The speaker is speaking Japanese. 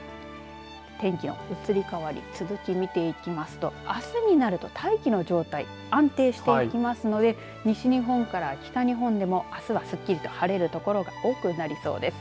天気の移り変わり続き見ていきますとあすになると大気の状態安定していきますので西日本から北日本でもあすはすっきり晴れる所が多くなりそうです。